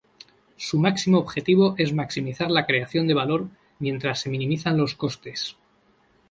Su último objetivo es maximizar la creación de valor mientras se minimizan los costes.